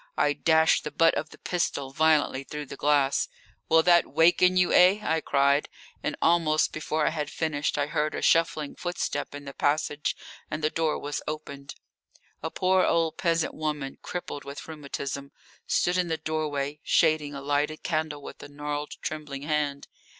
I dashed the butt of the pistol violently through the glass. "Will that waken you, eh?" I cried, and almost before I had finished I heard a shuffling footstep in the passage and the door was opened. A poor old peasant woman, crippled with rheumatism, stood in the doorway shading a lighted candle with a gnarled, trembling hand.